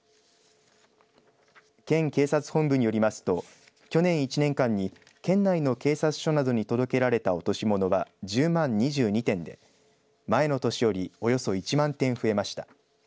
県警察本部によりますと去年１年間に県内の警察署などに届けられた落とし物は１０万２２点で前の年よりおよそ１万点増えました。